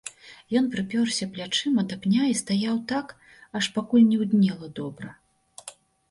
Ён прыпёрся плячыма да пня і стаяў так, аж пакуль не ўднела добра.